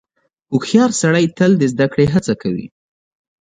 • هوښیار سړی تل د زدهکړې هڅه کوي.